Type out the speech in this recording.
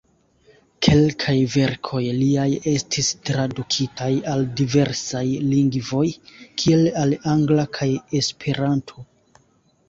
Kelkaj verkoj liaj estis tradukitaj al diversaj lingvoj, kiel al angla kaj Esperanto.